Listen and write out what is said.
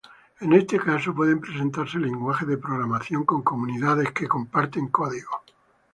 En este caso, pueden presentarse lenguajes de programación con comunidades que comparten códigos.